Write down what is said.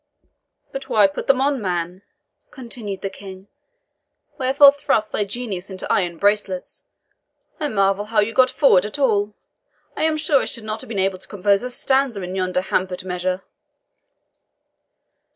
"But why put them on, man?" continued the King. "Wherefore thrust thy genius into iron bracelets? I marvel how you got forward at all. I am sure I should not have been able to compose a stanza in yonder hampered measure."